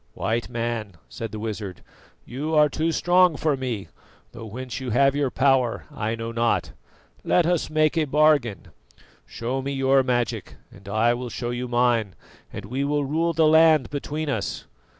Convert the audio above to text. "White Man," said the wizard, "you are too strong for me, though whence you have your power I know not. Let us make a bargain. Show me your magic and I will show you mine, and we will rule the land between us.